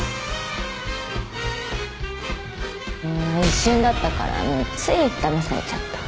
一瞬だったからついだまされちゃった。